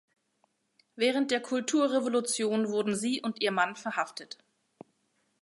Während der Kulturrevolution wurden sie und ihr Mann verhaftet.